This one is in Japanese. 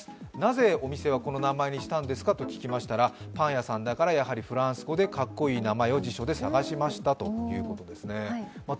なぜお店はこの名前にしたんですかと聞いたらパン屋さんだからやはりフランス語でかっこいい名前を辞書で探しましたということですね。